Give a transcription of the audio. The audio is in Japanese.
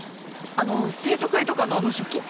あの生徒会とかのあの書記？